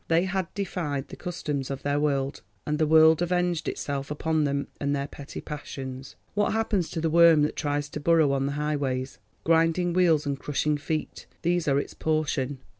They had defied the customs of their world, and the world avenged itself upon them and their petty passions. What happens to the worm that tries to burrow on the highways? Grinding wheels and crushing feet; these are its portion.